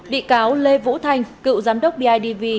bị cáo lê vũ thanh cựu giám đốc bidv